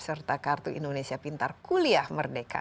serta kartu indonesia pintar kuliah merdeka